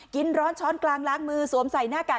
กินร้อนช้อนกลางล้างมือสวมใส่หน้ากาก